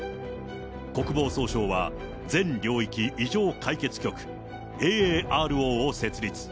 国防総省は、全領域異常解決局・ＡＡＲＯを設立。